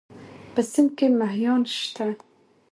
په سيند کې مهيان شته؟